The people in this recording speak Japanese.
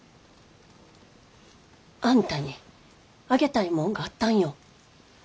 あんたにあげたいもんがあったんよ。